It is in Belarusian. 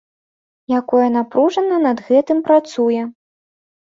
Якое напружана над гэтым працуе.